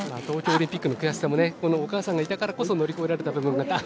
東京オリンピックの悔しさもこのお母さんがいたからこそ乗り越えられた部分が。